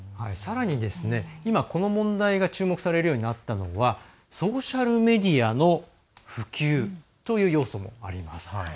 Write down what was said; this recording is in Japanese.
さらに、今、この問題が注目されるようになったのはソーシャルメディアの普及という要素もあります。